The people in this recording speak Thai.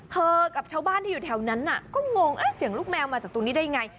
กับชาวบ้านที่อยู่แถวนั้นก็งงเสียงลูกแมวมาจากตรงนี้ได้ยังไง